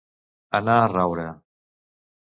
Anar a raure.